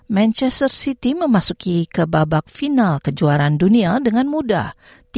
manchester city memasuki ke babak final kejuaraan dunia dengan mudah